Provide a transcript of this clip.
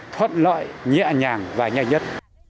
thuận lợi nhẹ nhàng và nhanh nhất